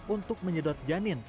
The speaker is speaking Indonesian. untuk menyedot janin